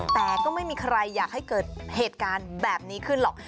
แต่ก็ไม่มีใครอยากให้เกิดเหตุการณ์แบบนี้ขึ้นหรอก